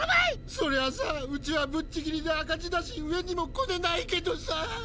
そりゃあさうちはぶっちぎりで赤字だし上にもコネないけどさ。